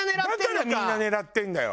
だからみんな狙ってるんだよ。